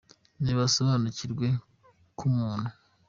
Nibasobanukirwe ko muntu